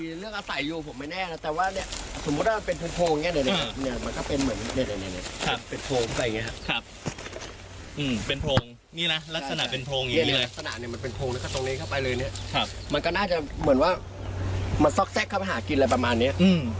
เลูกอศัยอยู่ผมไม่แน่นะแต่ถ้าเป็นโพงแบบนี้มันเป็นอย่างนี้